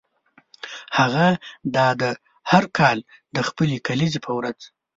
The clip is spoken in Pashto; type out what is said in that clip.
هغه دا ده هر کال د خپلې کلیزې په ورځ.